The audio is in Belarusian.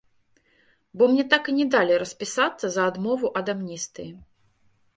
Бо мне так і не далі распісацца за адмову ад амністыі.